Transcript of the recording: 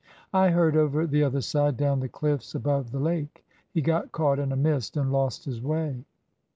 "I heard over the other side, down the cliffs above the lake. He got caught in a mist and lost his way."